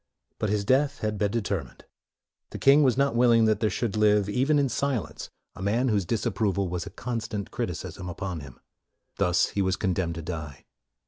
But his death had been determined. The king was not willing that there should live, even in silence, a man whose disapproval was a constant criticism upon him. Thus he was condemned to die.